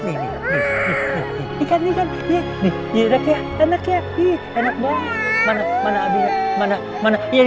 ini enak banget